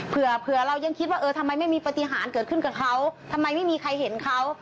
เผื่อเรายังคิดว่าเออทำไมไม่มีปฏิหารเกิดขึ้นกับเขาทำไมไม่มีใครเห็นเขา